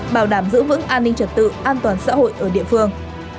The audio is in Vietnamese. bảo đảm giữ vững an ninh trật tự an toàn xã hội ở địa phương